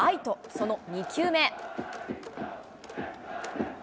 その２球目。